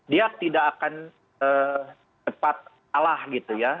dia tidak akan cepat kalah gitu ya